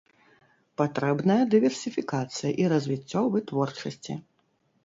Патрэбная дыверсіфікацыя і развіццё вытворчасці.